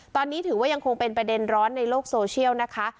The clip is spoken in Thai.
ตอนนี้ถือว่ายังคงเป็นประเด็นร้อนในโลกโซเชียลนะคะ